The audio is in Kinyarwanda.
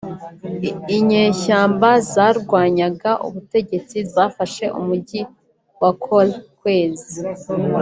inyeshyamba zarwanyaga ubutegetsi zafashe umujyi wa Kolkwezi